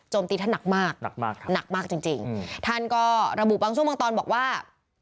โจมตีท่านหนักมากหนักมากจริงท่านก็ระบุบังช่วงบางตอนบอกว่า